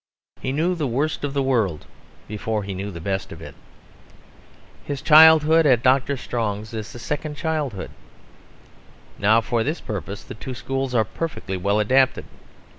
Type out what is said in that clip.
He knew the worst of the world before he knew the best of it. His childhood at Dr. Strong's is a second childhood. Now for this purpose the two schools are perfectly well adapted.